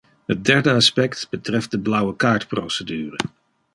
Het derde aspect betreft de blauwekaartprocedure.